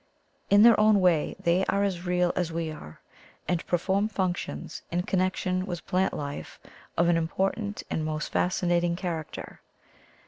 In their own way they are as real as we are, and perform functions in connection with plant life of an important and most fascinating charac ter.